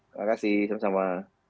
terima kasih sama sama